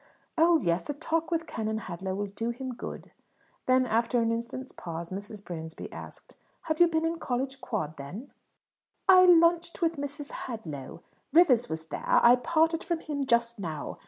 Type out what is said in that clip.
"Oh yes; a talk with Canon Hadlow will do him good." Then, after an instant's pause, Mrs. Bransby asked, "Have you been in College Quad, then?" "I lunched with Mrs. Hadlow. Rivers was there; I parted from him just now.